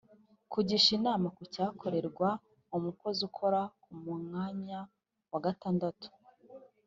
Kugisha inama ku cyakorerwa umukozi ukora ku mwanya wa gatandatu